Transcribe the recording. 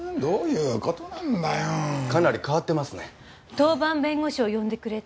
当番弁護士を呼んでくれって？